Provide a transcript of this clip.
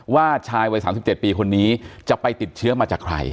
ชายวัย๓๗ปีคนนี้จะไปติดเชื้อมาจากใคร